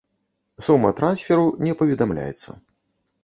Сума трансферу не паведамляецца.